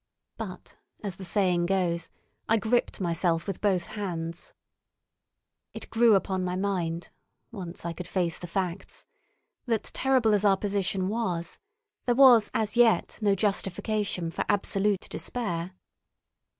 But as the saying goes, I gripped myself with both hands. It grew upon my mind, once I could face the facts, that terrible as our position was, there was as yet no justification for absolute despair.